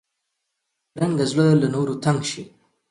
بدرنګه زړه له نورو تنګ شي